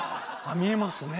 見えます？